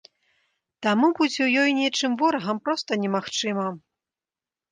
Таму быць у ёй нечым ворагам проста немагчыма.